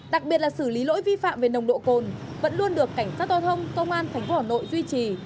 đặc biệt là xử lý lỗi vi phạm về nồng độ cồn vẫn luôn được cảnh sát hòa thông công an thành phố hà nội duy trì